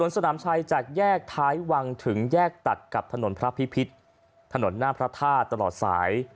สนามชัยจากแยกท้ายวังถึงแยกตัดกับถนนพระพิพิษถนนหน้าพระธาตุตลอดสาย